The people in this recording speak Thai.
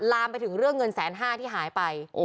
ลามไปถึงเรื่องเงินแสนห้าที่หายไป